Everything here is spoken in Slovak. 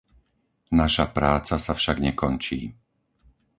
Naša práca sa však nekončí.